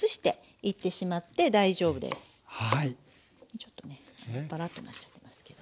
ちょっとねバラッとなっちゃってますけど。